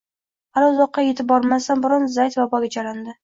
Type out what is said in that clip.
Hali uzoqqa ketib ulgurmasidan burun Zayd vaboga chalindi